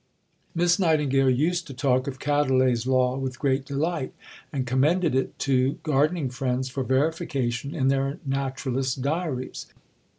Miss Nightingale used to talk of Quetelet's law with great delight, and commended it to gardening friends for verification in their Naturalist's Diaries.